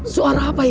suara apa ini